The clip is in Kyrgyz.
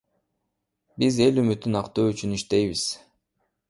Биз эл үмүтүн актоо үчүн иштейбиз.